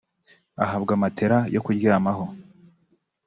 ahabwa matela yo kuryamaho